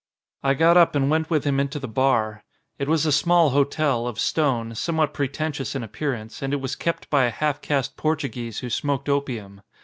I got up and went with him into the bar. It was a small hotel, of stone, somewhat pretentious in appearance, and it was kept by a half caste Portuguese who smoked opium.